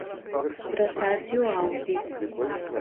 Protásio Alves